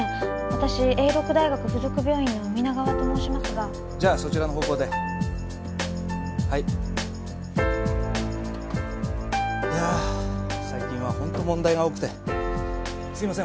私永禄大学付属病院の皆川と申しますがじゃあそちらの方向でいやあ最近はほんと問題が多くてすみません